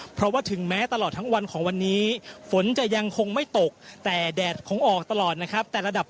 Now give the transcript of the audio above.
เพราะว่าถึงแม้ตลอดทั้งวันฝนจะยังคงไม่ตกแต่แดดคงออกตลอดนะครับ